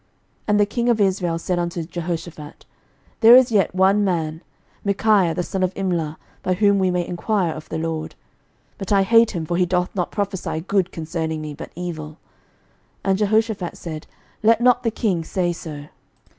11:022:008 And the king of Israel said unto Jehoshaphat, There is yet one man, Micaiah the son of Imlah, by whom we may enquire of the LORD: but I hate him; for he doth not prophesy good concerning me, but evil. And Jehoshaphat said, Let not the king say so.